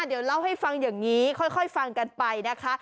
เดี๋ยวเล่าให้ฟังอย่างนี้ค่อยฟังกันไปนะคะ